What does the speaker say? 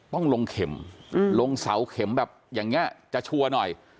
ต้องลงเข็มลงเสาเข็มแบบอย่างนี้จะชัวร์หน่อย